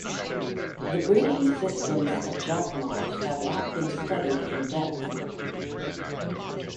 The breeding systems of jacamars have not been studied in depth.